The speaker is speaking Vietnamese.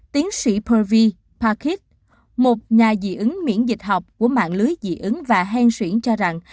tiến sĩ purvi pakhit một nhà dị ứng miễn dịch học của mạng lưới dị ứng và hèn xuyển cho rằng